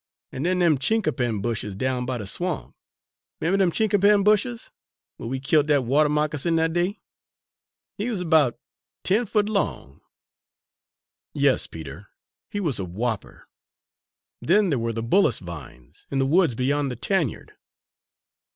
An' den dem chinquapin bushes down by de swamp! 'Member dem chinquapin bushes, whar we killt dat water moccasin dat day? He wuz 'bout ten foot long!" "Yes, Peter, he was a whopper! Then there were the bullace vines, in the woods beyond the tanyard!"